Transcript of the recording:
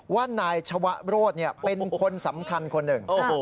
ว่านายชวะโรธเป็นคนสำคัญคนหนึ่ง